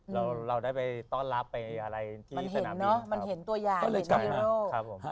แล้วเราได้ไปต้อนรับไปอะไรมันเห็นตัวอย่าง